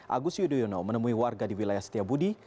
agus yudhoyono menemui warga di wilayah setiabudi